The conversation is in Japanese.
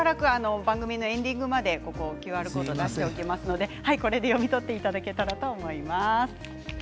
番組のエンディングまで載せていますのでこれで読み取っていただけたらと思います。